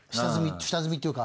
下積みっていうか。